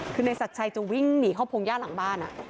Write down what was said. คือในศักดิ์ชัยจะวิ่งหนีเข้าพงหญ้าหลังบ้าน